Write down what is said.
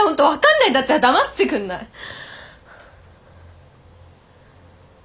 本当分かんないんだったら黙っててくんない？